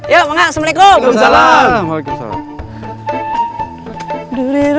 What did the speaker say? ya mangal assalamualaikum